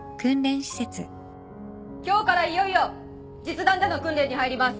今日からいよいよ実弾での訓練に入ります。